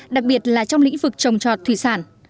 đặc biệt là trong lĩnh vực trồng trọt thủy sản